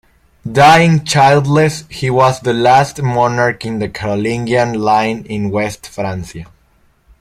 Dying childless, he was the last monarch in the Carolingian line in West Francia.